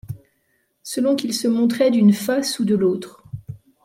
Selon qu’il se montrait d’une face ou de l’autre